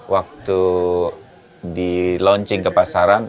waktu di launching ke pasaran